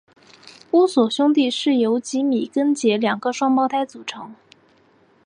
乌索兄弟是由吉米跟杰两个双胞胎组成。